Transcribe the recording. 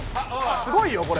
すごいよこれ。